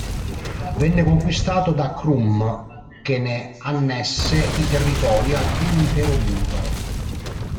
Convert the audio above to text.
Venne conquistato da Krum, che ne annesse i territori al Primo impero bulgaro.